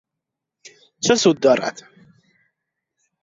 چه سود دارد